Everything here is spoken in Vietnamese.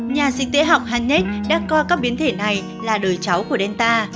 nhà sinh tế học hanech đã coi các biến thể này là đời cháu của delta